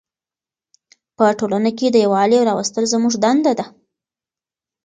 په ټولنه کې د یووالي راوستل زموږ دنده ده.